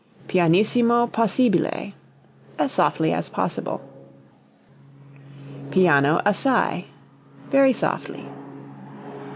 _, Pianissimo possibile as softly as possible. Piano assai very softly.